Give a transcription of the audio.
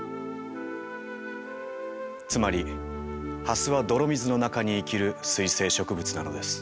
つまりハスは泥水の中に生きる水生植物なのです。